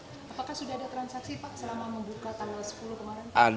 apakah sudah ada transaksi pak selama membuka tanggal sepuluh kemarin